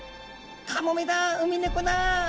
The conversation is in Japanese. カモメだウミネコだ。